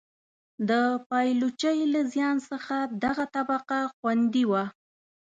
د پایلوچۍ له زیان څخه دغه طبقه خوندي وه.